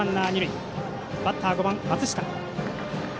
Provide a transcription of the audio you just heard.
バッター、５番松下。